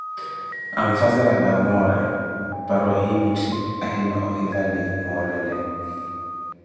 anfazeraka amore para ohiimithi ahima ohivali molwele